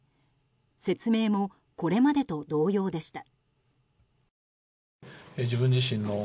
説明もこれまでと同様でした。